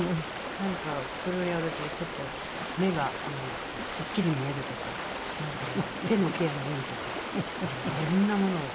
何かこれをやるとちょっと目がすっきり見えるとか手のケアにいいとかいろんなものを。